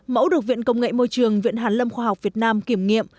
mẫu được viện công nghệ môi trường viện hàn lâm khoa học việt nam kiểm nghiệm